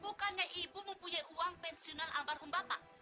bukannya ibu mempunyai uang pensional ambar hum bapak